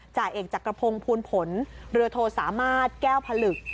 จ่าเอกจักรพงศ์ภูลผลเรือโทสามารถแก้วผลึก